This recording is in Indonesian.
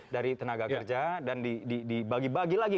dari tenaga kerja dan dibagi bagi lagi